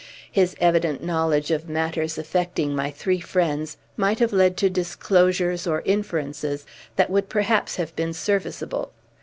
His evident knowledge of matters affecting my three friends might have led to disclosures or inferences that would perhaps have been serviceable.